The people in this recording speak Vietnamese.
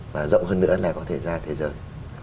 và rộng hơn nữa là có thể ra thế giới